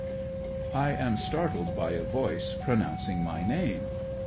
I am startled by a voice pronouncing my name.